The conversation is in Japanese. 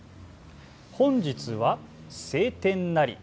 本日は晴天ナリ。